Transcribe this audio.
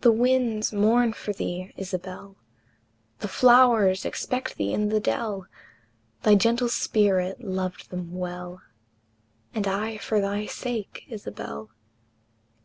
The winds mourn for thee, Isabel, The flowers expect thee in the dell, Thy gentle spirit loved them well; And I for thy sake, Isabel!